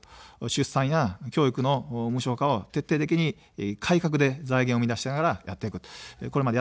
出産や教育の無償化を徹底的に改革で財源を生み出しながらやってきました。